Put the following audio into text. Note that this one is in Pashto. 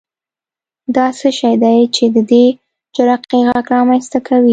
دا څه شی دی چې د دې جرقې غږ رامنځته کوي؟